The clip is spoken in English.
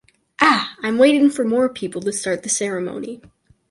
Ah! I’m waiting to more people to start the ceremony.